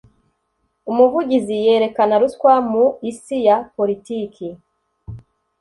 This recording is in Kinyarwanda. Umuvugizi yerekana ruswa mu isi ya politiki.